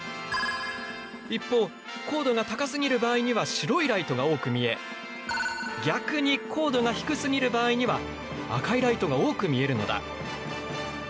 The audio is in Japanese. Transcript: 一方高度が高すぎる場合には白いライトが多く見え逆に高度が低すぎる場合には赤いライトが多く見えるのだ。